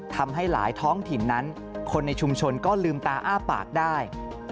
ทำให้หลายท้องถิ่นนั้นคนในชุมชนก็ลืมตาอ้าปากได้